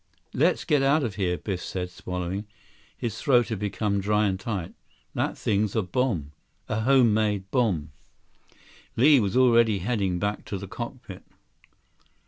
"Let's get out of here," Biff said, swallowing. His throat had become dry and tight. "That thing's a bomb—a homemade bomb." 93 Li was already heading back to the cockpit.